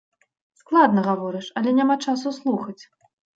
Складна гаворыш, але няма часу слухаць.